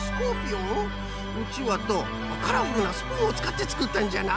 うちわとあっカラフルなスプーンをつかってつくったんじゃな。